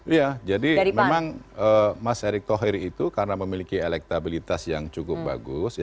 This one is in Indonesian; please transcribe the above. iya jadi memang mas erick thohir itu karena memiliki elektabilitas yang cukup bagus